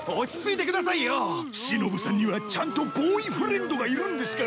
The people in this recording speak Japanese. しのぶさんにはちゃんとボーイフレンドがいるんですから。